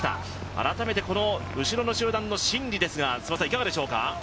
改めてこの後ろの集団の心理ですが、いかがですか？